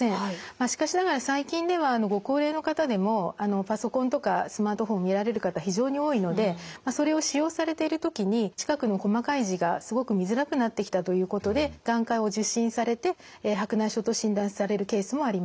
まあしかしながら最近ではご高齢の方でもパソコンとかスマートフォン見られる方非常に多いのでそれを使用されてる時に近くの細かい字がすごく見づらくなってきたということで眼科を受診されて白内障と診断されるケースもあります。